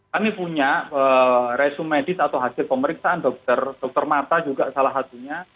kami punya resumedit atau hasil pemeriksaan dokter dokter mata juga salah satunya